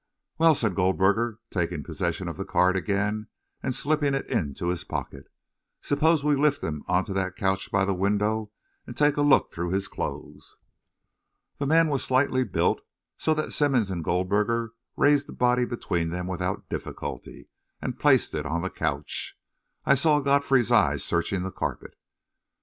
"Well," said Goldberger, taking possession of the card again and slipping it into his pocket, "suppose we lift him onto that couch by the window and take a look through his clothes." The man was slightly built, so that Simmonds and Goldberger raised the body between them without difficulty and placed it on the couch. I saw Godfrey's eyes searching the carpet.